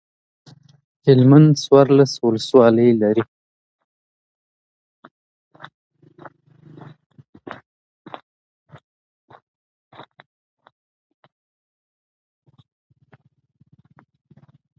د اوبو نلونه په سمه توګه بند کړئ.